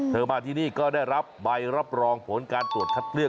มาที่นี่ก็ได้รับใบรับรองผลการตรวจคัดเลือก